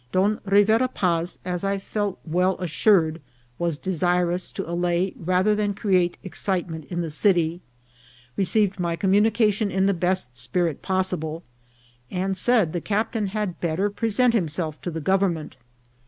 Don Rivera Paz, as I felt well assured, was de sirous to allay rather than create excitement in the city, received my communication in the best spirit possible, and said the captain had better present himself to the government.